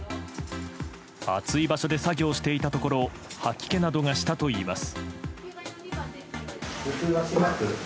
暑い場所で作業していたところ吐き気などがしたといいます。